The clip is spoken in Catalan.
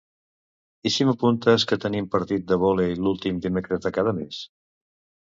I si m'apuntes que tenim partit de vòlei l'últim dimecres de cada mes?